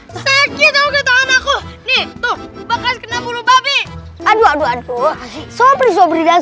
sakit tahu gak aku nih tuh bakal kena bulu babi adu adu aduh sobrang sobrang